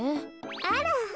あら。